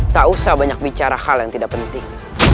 tak usah banyak bicara hal yang tidak penting